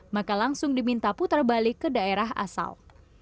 maka langsung diminta putar balik ke daerah asal